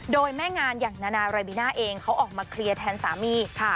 โดยแม่งานอย่างนานารายบิน่าเองเขาออกมาเคลียร์แทนสามี